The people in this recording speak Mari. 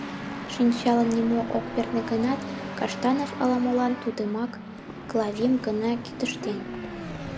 Шинчалан нимо ок перне гынат, Коштанов ала-молан тудымак, Клавим, гына кӱтыштеш.